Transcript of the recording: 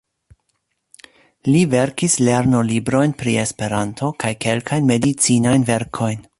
Li verkis lernolibrojn pri Esperanto kaj kelkajn medicinajn verkojn.